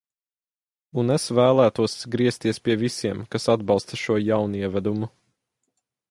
Un es vēlētos griezties pie visiem, kas atbalsta šo jaunievedumu.